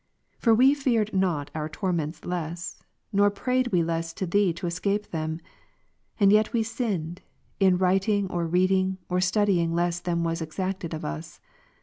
For we feared not our torments less ; nor prayed we less to Thee to escape them. Andyet we sinned, in writing or reading or studying less than was exacted of us.